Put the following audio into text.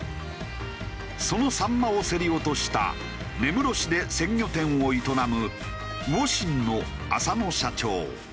そのサンマを競り落とした根室市で鮮魚店を営む魚信の浅野社長。